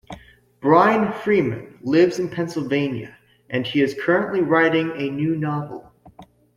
Brian Freeman lives in Pennsylvania and he is currently writing a new novel.